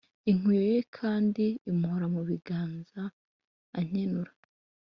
inkuyo ye kandi imuhora mu biganza ankenura